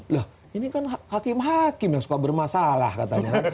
loh ini kan hakim hakim yang suka bermasalah katanya